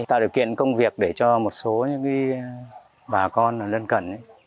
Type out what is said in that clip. tạo điều kiện công việc để cho một số những bà con lân cận